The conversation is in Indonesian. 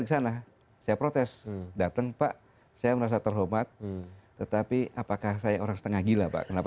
kesana saya protes datang pak saya merasa terhormat tetapi apakah saya orang setengah gila pak kenapa